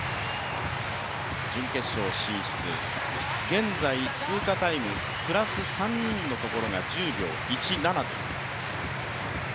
現在、通過タイムプラス３人のところが１０秒１７と。